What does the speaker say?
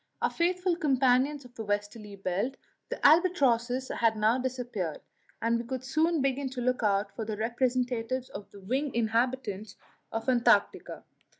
Our faithful companions of the westerly belt the albatrosses had now disappeared, and we could soon begin to look out for the first representatives of the winged inhabitants of Antarctica.